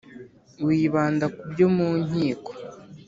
wibanda ku byo mu nkiko